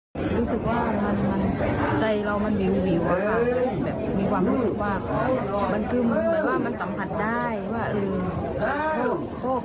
รู้สึกว่าใจเรามันเบี่ยวนะครับ